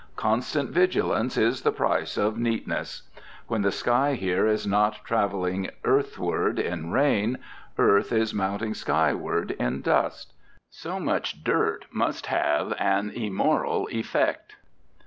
"Constant vigilance is the price" of neatness. When the sky here is not travelling earthward in rain, earth is mounting skyward in dust. So much dirt must have an immoral effect.